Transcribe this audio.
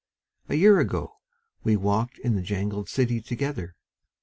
... A year ago we walked in the jangling city Together